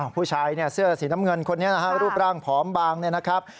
ผู้ชายเสื้อสีน้ำเงินคนนี้นะฮะรูปร่างผอมบางเนี่ยนะครับ